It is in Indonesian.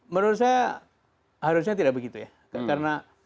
menurut saya harusnya tidak begitu ya